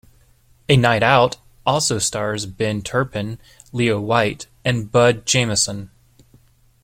"A Night Out" also stars Ben Turpin, Leo White and Bud Jamison.